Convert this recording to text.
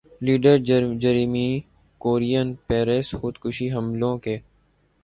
leader Jeremy Corbyn Paris خودکش حملوں کے